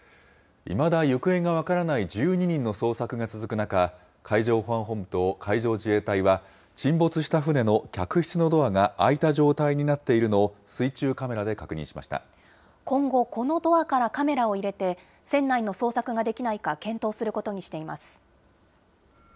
いまだ行方が分からない１２人の捜索が続く中、海上保安本部と海上自衛隊は、沈没した船の客室のドアが開いた状態になっているのを水中カメラ今後、このドアからカメラを入れて、船内の捜索ができないか検討することにしています。